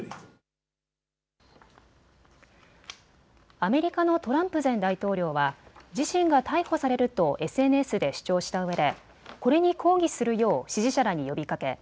アメリカのトランプ前大統領は自身が逮捕されるとＳＮＳで主張したうえでこれに抗議するよう支持者らに呼びかけ